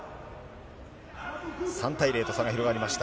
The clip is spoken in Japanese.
３対０と差が広がりました。